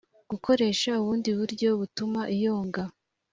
gukoresha ubundi buryo butuma iyonga